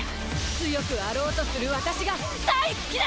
強くあろうとする私が大好きだ！